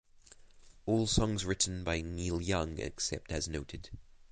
All songs written by Neil Young except as noted.